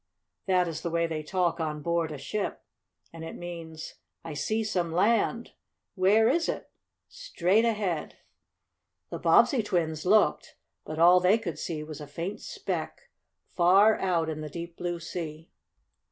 That is the way they talk on board a ship and it means: "I see some land." "Where is it?" "Straight ahead." The Bobbsey twins looked, but all they could see was a faint speck, far out in the deep, blue sea.